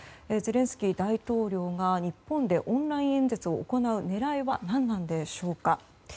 ゼレンスキー大統領が日本でオンライン演説を行う狙いは何なのでしょうか。